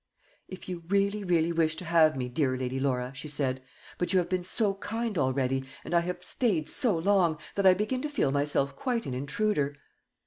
"If you really, really wish to have me, dear Lady Laura," she said; "but you have been so kind already, and I have stayed so long, that I begin to feel myself quite an intruder."